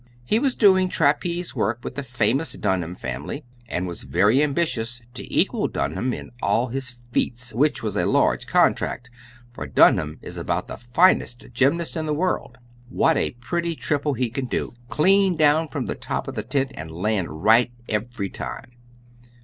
He was doing trapeze work with the famous Dunham family, and was very ambitious to equal Dunham in all his feats, which was a large contract, for Dunham is about the finest gymnast in the world. What a pretty triple he can do, clean down from the top of the tent, and land right every time!